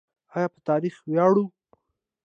آیا په تاریخ ویاړو؟